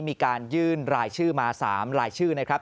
มีการยื่นรายชื่อมา๓รายชื่อนะครับ